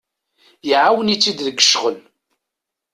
Iɛawen-itt-id deg ccɣel.